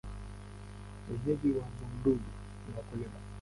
Wenyeji wa Bumbuli ni wakulima.